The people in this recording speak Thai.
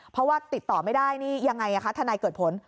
เพราะว่าติดต่อไม่ได้นี่ยังไงคะทนายเกิดผล